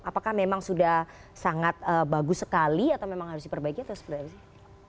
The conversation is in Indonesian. apakah memang sudah sangat bagus sekali atau memang harus diperbaiki atau seperti apa sih